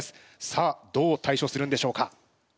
さあどう対処するんでしょうか？